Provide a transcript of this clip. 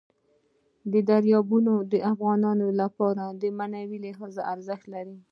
دریابونه د افغانانو لپاره په معنوي لحاظ ارزښت لري.